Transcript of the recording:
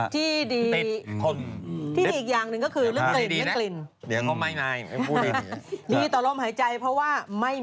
ทิ้งออกออกแล้วจะติดมือ